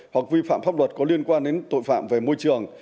hoặc vi phạm pháp luật có liên quan đến tội phạm về môi trường